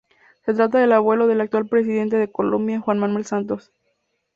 Se trata del abuelo del actual presidente de Colombia Juan Manuel Santos.